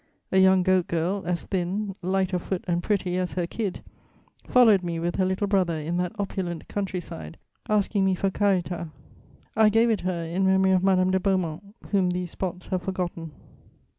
A young goat girl, as thin, light of foot and pretty as her kid, followed me with her little brother in that opulent country side, asking me for carità: I gave it her in memory of Madame de Beaumont, whom these spots have forgotten.